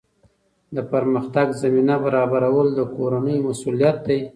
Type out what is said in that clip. د پرمختګ زمینه برابرول د کورنۍ مسؤلیت دی.